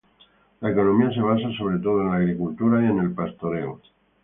La economía se basa sobre todo en la agricultura y en el pastoreo.